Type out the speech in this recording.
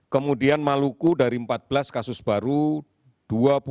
kemudian maluku dari empat belas kasus baru dua puluh satu